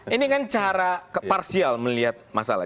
ini kan cara parsial melihat masalah